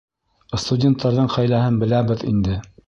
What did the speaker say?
Студенттарҙың хәйләһен беләбеҙ инде!